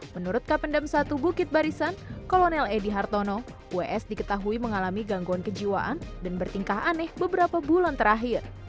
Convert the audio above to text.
menurut kapendam satu bukit barisan kolonel edy hartono ws diketahui mengalami gangguan kejiwaan dan bertingkah aneh beberapa bulan terakhir